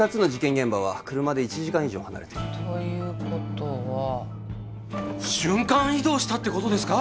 現場は車で１時間以上離れてるということは瞬間移動したってことですか？